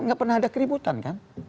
nggak pernah ada keributan kan